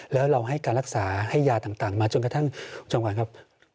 แล้วเราให้การรักษาให้ยาต่างมาจนกระทั่งจำขวัญครับ